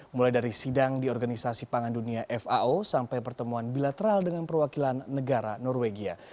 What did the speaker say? mulai dari sidang di organisasi pangan dunia fao sampai pertemuan bilateral dengan perwakilan negara norwegia